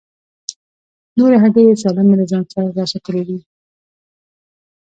نورې هګۍ یې سالمې له ځان سره ساتلې دي.